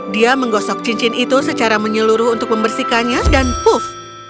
dia menggosok cincin itu secara menyeluruh untuk membersihkannya dan puf